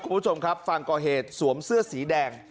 คุณผู้ชมครับฝั่งก่อเหตุสวมเสื้อสีแดง